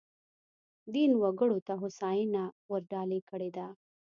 دین وګړو ته هوساینه ورډالۍ کړې ده.